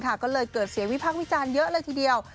ก็เลยเกิดเสียงวิพักษ์วิจารณ์เยอะเลยทีเดียว